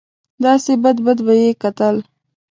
داسې بد بد به یې کتل.